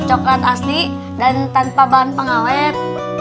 coklat asli dan tanpa bahan pengawet